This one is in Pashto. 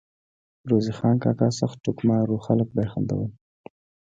روزې خان کاکا سخت ټوکمار وو ، خلک به ئی خندول